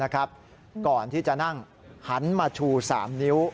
ก่อนที่จะนั่งหันมาชู๓นิ้ว